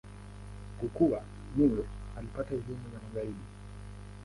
Kukua, Nimr alipata elimu ya Magharibi.